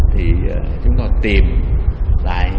thì chúng tôi tìm lại